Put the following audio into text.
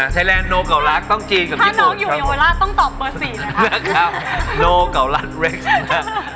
ไทไลน์โนเก่ารักต้องจีนกับญี่ปุ่นน่ะ